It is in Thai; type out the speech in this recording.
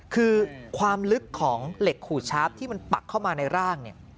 คือความลึกของเหล็กขูดชาร์ฟที่มันปักเข้ามาในร่างเนี่ย